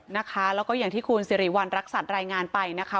นะคะแล้วก็อย่างที่คุณสิริวัณรักษัตริย์รายงานไปนะคะ